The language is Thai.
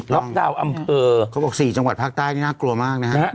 ดาวน์อำเภอเขาบอก๔จังหวัดภาคใต้นี่น่ากลัวมากนะฮะ